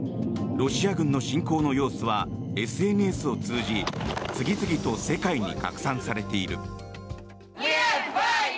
ロシア軍の侵攻の様子はＳＮＳを通じ次々と世界に拡散されている。